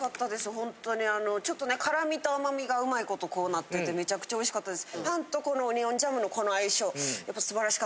本当にあのちょっとね辛みと甘みがうまいことこうなっててめちゃくちゃおいしかったです。